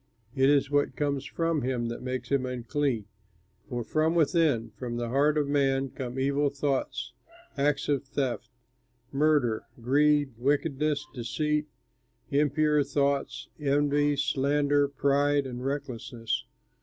It is what comes from him that makes him unclean, for from within, from the heart of man, come evil thoughts, acts of theft, murder, greed, wickedness, deceit, impure thoughts, envy, slander, pride, and recklessness.